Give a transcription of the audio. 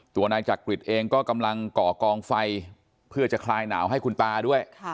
นายจักริตเองก็กำลังก่อกองไฟเพื่อจะคลายหนาวให้คุณตาด้วย